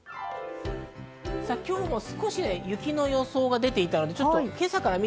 今日も少し雪の予想が出ていたんですか